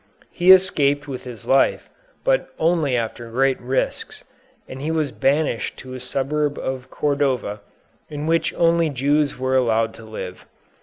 He escaped with his life, but only after great risks, and he was banished to a suburb of Cordova, in which only Jews were allowed to live.